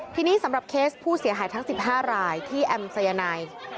ทีนี้สำหรับเคสผู้เสียหายทั้ง๑๕รายที่แอมสายนาย